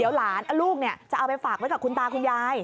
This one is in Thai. เดี๋ยวหลานลูกจะเอาไปฝากไว้กับคุณตาคุณยาย